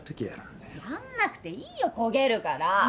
やんなくていいよ焦げるから。